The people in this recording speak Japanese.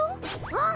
うん！